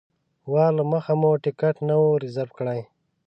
وار له مخه مو ټکټ نه و ریزرف کړی.